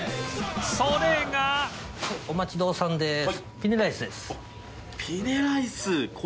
それがお待ちどおさんです。